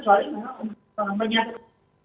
jadi kita mau ngapain